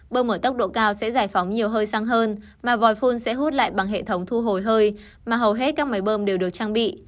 bơm ở tốc độ cao sẽ giải phóng nhiều hơi xăng hơn mà vòi phun sẽ hút lại bằng hệ thống thu hồi hơi mà hầu hết các máy bơm đều được trang bị